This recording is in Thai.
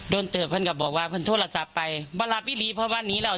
โดนเติบเพลินก็บอกว่าเพลินโทรศัพท์ไปไม่รับอิหรี่เพราะว่านี้แล้ว